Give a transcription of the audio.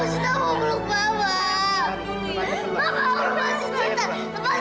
sita mau beluk mama